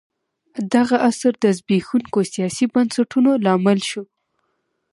دغه عصر د زبېښونکو سیاسي بنسټونو لامل شو.